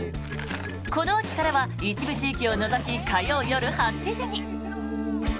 この秋からは一部地域を除き、火曜夜８時に。